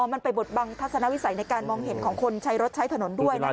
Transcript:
มันไปบดบังทัศนวิสัยในการมองเห็นของคนใช้รถใช้ถนนด้วยนะครับ